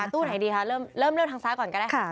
ตู้ไหนดีคะเริ่มทางซ้ายก่อนก็ได้